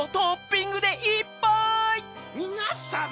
みなさま